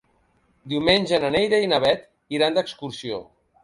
Diumenge na Neida i na Bet iran d'excursió.